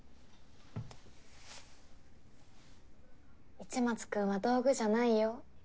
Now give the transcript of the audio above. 市松君は道具じゃないよ。